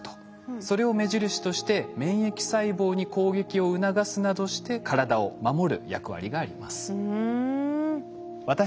それを目印として免疫細胞に攻撃を促すなどして体を守る役割があります。